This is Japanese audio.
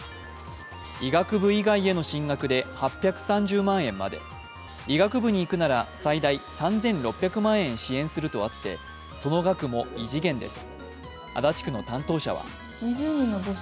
医学部以外への進学で８３０万円まで医学部に行くなら最大３６００万円支援するとあってその額も異次元です。